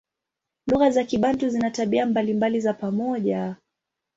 Lugha za Kibantu zina tabia mbalimbali za pamoja.